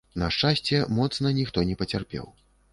На шчасце, моцна ніхто не пацярпеў.